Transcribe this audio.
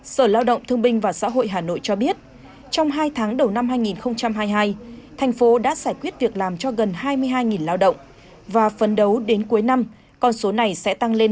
sở lao động thương binh và xã hội hà nội cho biết trong hai tháng đầu năm hai nghìn hai mươi hai thành phố đã giải quyết việc làm cho gần hai mươi hai lao động và phấn đấu đến cuối năm con số này sẽ tăng lên